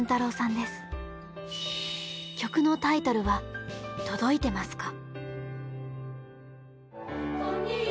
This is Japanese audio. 曲のタイトルは「とどいてますか」。